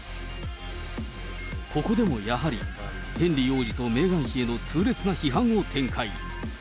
ここでもやはり、ヘンリー王子とメーガン妃への痛烈な批判を展開。